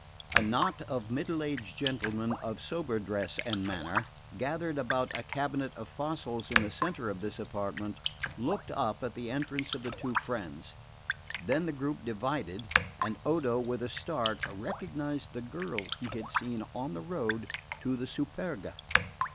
A knot of middle aged gentlemen of sober dress and manner, gathered about a cabinet of fossils in the centre of this apartment, looked up at the entrance of the two friends; then the group divided, and Odo with a start recognised the girl he had seen on the road to the Superga.